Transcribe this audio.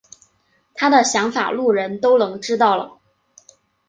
他的想法路人都能知道了。